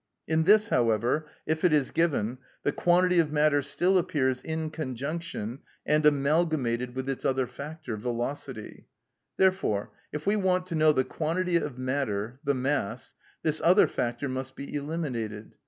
In this, however, if it is given, the quantity of matter still appears in conjunction and amalgamated with its other factor, velocity. Therefore if we want to know the quantity of matter (the mass) this other factor must be eliminated.